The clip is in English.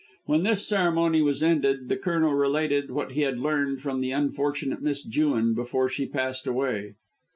When this ceremony was ended, the Colonel related what he had learned from unfortunate Miss Jewin before she passed away.